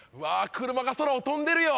車が空を飛んでるよ